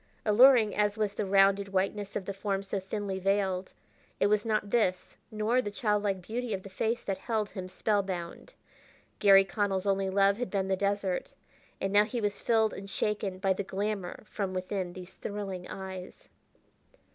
Alluring as was the rounded whiteness of the form so thinly veiled, it was not this nor the childlike beauty of the face that held him spellbound. Garry Connell's only love had been the desert, and now he was filled and shaken by the glamour from within these thrilling eyes.